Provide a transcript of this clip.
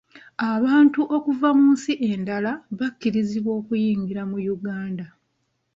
Abantu okuva mu nsi endala bakkirizibwa okuyingira mu Uganda.